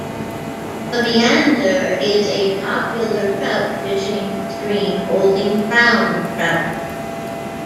The Meander is a popular trout fishing stream holding brown trout.